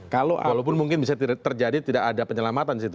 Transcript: walaupun mungkin bisa terjadi tidak ada penyelamatan disitu